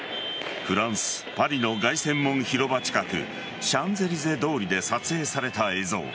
フランス・パリの凱旋門広場近くシャンゼリゼ通りで撮影された映像。